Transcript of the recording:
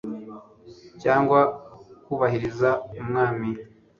cyangwa kubahiriza umwami